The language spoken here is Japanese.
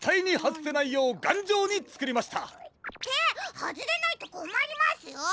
はずれないとこまりますよ。